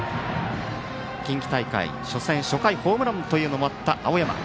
近畿大会初戦では初回ホームランもあった青山。